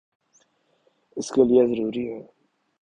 اس کے لئیے ضروری ہے